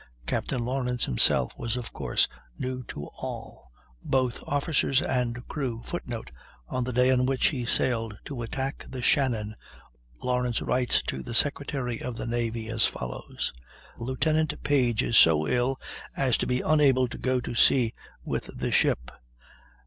Captain Lawrence himself was of course new to all, both officers and crew. [Footnote: On the day on which he sailed to attack the Shannon, Lawrence writes to the Secretary of the Navy as follows: "Lieutenant Paige is so ill as to be unable to go to sea with the ship.